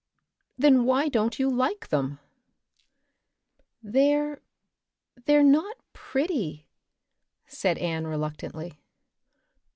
"Then why don't you like them?" "They're they're not pretty," said Anne reluctantly.